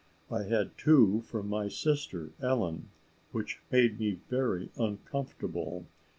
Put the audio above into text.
I had two from my sister Ellen, which made me very uncomfortable.